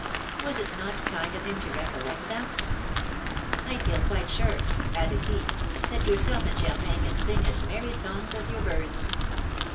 Was it not kind of him to recollect them?) "'I feel quite sure,' added he, 'that yourself and Germain can sing as merry songs as your birds.'